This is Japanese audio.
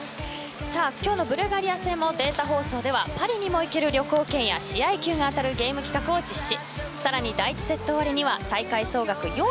今日のブルガリア戦もデータ放送ではパリにも行ける旅行券や試合球が当たるゲーム企画を実施。